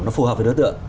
nó phù hợp với đối tượng